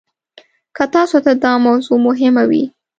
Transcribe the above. که تاسو ته دا موضوع مهمه وي.